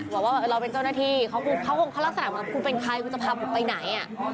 บอกว่าเราเป็นเจ้าหน้าที่เขาคงเขาลักษณะเหมือนคุณเป็นใครคุณจะพาผมไปไหน